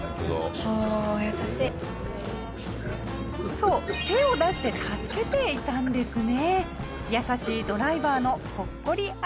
そう手を出して助けていたんですね。